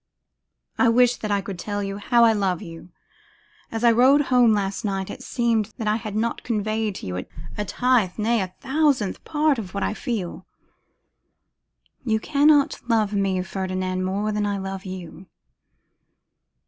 I wish that I could tell you how I love you! As I rode home last night it seemed that I had not conveyed to you a tithe, nay, a thousandth part of what I feel.' 'You cannot love me, Ferdinand, more than I love you.